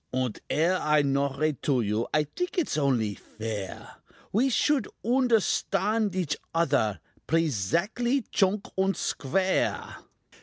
"Und ere I norate to you, I think it only fair We should oonderstand each other Prezactly, chunk and square.